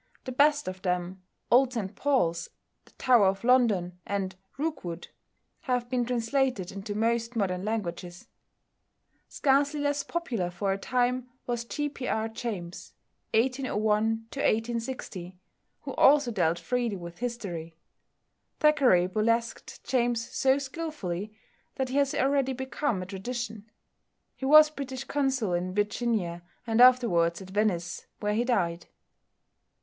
The best of them, "Old St Paul's," "The Tower of London," and "Rookwood," have been translated into most modern languages. Scarcely less popular for a time was =G. P. R. James (1801 1860)=, who also dealt freely with history. Thackeray burlesqued James so skilfully that he has already become a tradition. He was British Consul in Virginia, and afterwards at Venice, where he died.